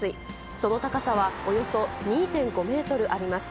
その高さはおよそ２．５メートルあります。